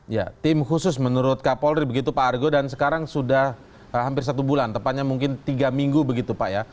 ya tim khusus menurut kapolri begitu pak argo dan sekarang sudah hampir satu bulan tepatnya mungkin tiga minggu begitu pak ya